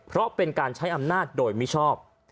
เพราะเป็นการใช้อำนาจโดยมิชอบ